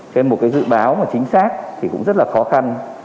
nên một dự báo chính xác cũng rất khó khăn